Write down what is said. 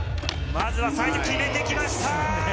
まずはサイド決めてきました！